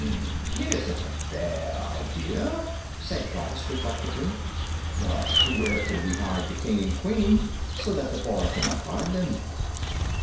"It isn't a bad idea," said Gos, reflectively; "but where can we hide the King and Queen, so that the boy cannot find them?"